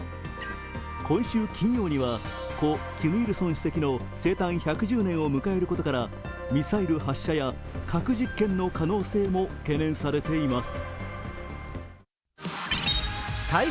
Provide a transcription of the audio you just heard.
今週金曜には故キム・イルソン主席の生誕１１０年を迎えることからミサイル発射や核実験の可能性も懸念されています。